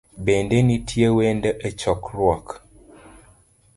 Bende nitie wendo e chokruok?